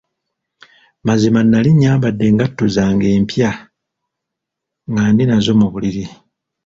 Mazima nali nyambadde engatto zange empya nga ndi nazo mu buliri.